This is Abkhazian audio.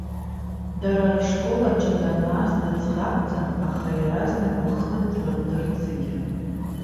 Дара рышкол аҿы данааз дыӡӷабӡан, аха иаразнак лхы длырдырт зегьы.